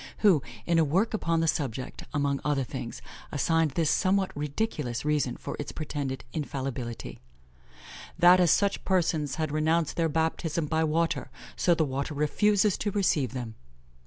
who, in a work upon the subject, among other things, assigned this somewhat ridiculous reason for its pretended infallibility: "That as such persons had renounced their baptism by water, so the water refuses to receive them."